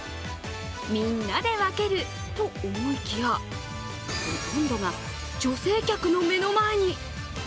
みんなで分けると思いきやほとんどが女性客の目の前に。